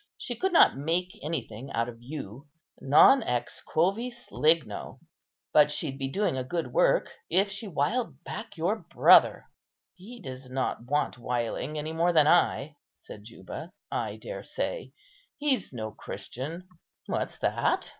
She could not make anything out of you. 'Non ex quovis ligno.' But she'd be doing a good work if she wiled back your brother." "He does not want wiling any more than I," said Juba, "I dare say! he's no Christian." "What's that?"